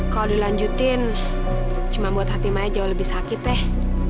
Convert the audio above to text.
kalau dilanjutin cuma buat hati maya jauh lebih sakit deh